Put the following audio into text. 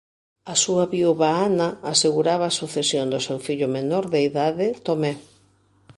A súa viúva Ana aseguraba a sucesión do seu fillo menor de idade Tomé.